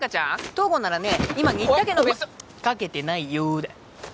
東郷ならね今新田家のおいお前かけてないよーだ